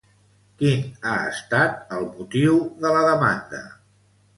Quin ha estat el motiu de la demanda?